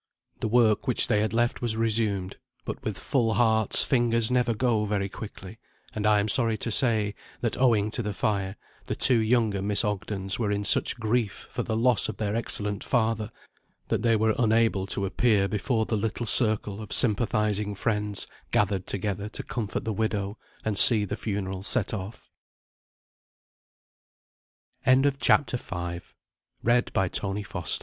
The work which they had left was resumed: but with full hearts, fingers never go very quickly; and I am sorry to say, that owing to the fire, the two younger Miss Ogdens were in such grief for the loss of their excellent father, that they were unable to appear before the little circle of sympathising friends gathered together to comfort the widow, and see the funeral set off. CHAPTER VI. POVERTY AND DEATH. "How little